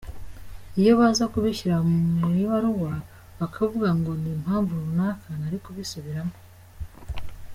Iyo baza kubishyira mu ibaruwa bakavuga ngo ni impamvu runaka nari kubisubiramo.